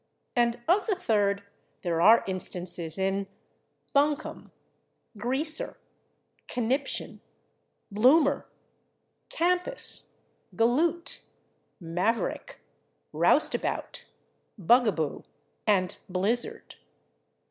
And of the third there are instances in /buncombe/, /greaser/, /conniption/, /bloomer/, /campus/, /galoot/, /maverick/, /roustabout/, /bugaboo/ and /blizzard